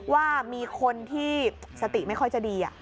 ว่ามีคนที่สติไม่ค่อยจะดี